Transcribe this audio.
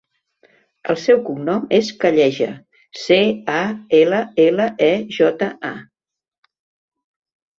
El seu cognom és Calleja: ce, a, ela, ela, e, jota, a.